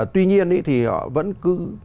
tuy nhiên thì họ vẫn cứ